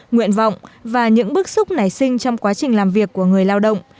nguyện vọng và những bức xúc nảy sinh trong quá trình làm việc của người lao động